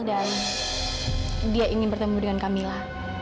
dan dia ingin bertemu dengan kamila